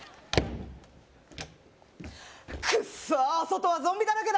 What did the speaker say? クッソー外はゾンビだらけだ